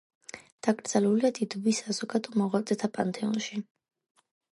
დაკრძალულია დიდუბის საზოგადო მოღვაწეთა პანთეონში.